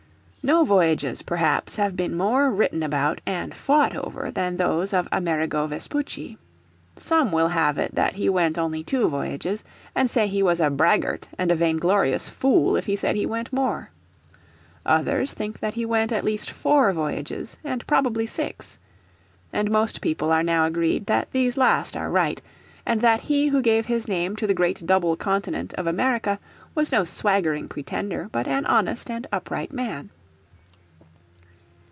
No voyages perhaps have been more written about and fought over than those of Amerigo Vespucci. Some will have it that he went only two voyages, and say he was a braggart and a vainglorious fool if he said he went more. Others think that he went at least four voyages and probably six. And most people are now agreed that these last are right, and that he who gave his name to the great double Continent of America was no swaggering pretender but an honest and upright man.